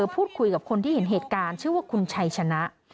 พูดคุยกับคนที่เห็นเหตุการณ์ชื่อว่าคุณชัยชนะ